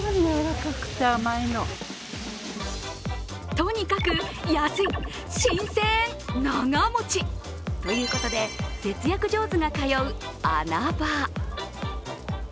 とにかく安い、新鮮、長もち！ということで、節約上手が通う穴場。